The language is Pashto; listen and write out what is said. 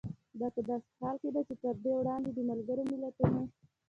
دا په داسې حال کې ده چې تر دې وړاندې د ملګرو ملتونو